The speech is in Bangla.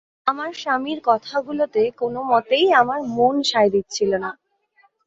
আমার স্বামীর কথাগুলোতে কোনোমতেই আমার মন সায় দিচ্ছিল না।